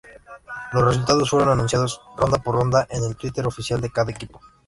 Los resultados fueron anunciados Ronda por Ronda en el Twitter oficial de cada equipo.